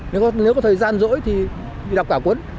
nếu có thời gian rỗi thì đọc cả cuốn